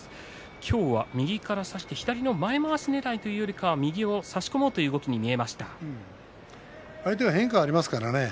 今日は右から差して左の前まわしねらいというよりかは、右を差し込もうという動きに相手が変化がありますからね。